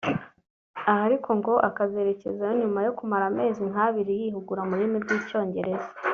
Aha ariko ngo akazerekezayo nyuma yo kumara amezi nk’abiri yihugura mu rurimi rw’icyongereza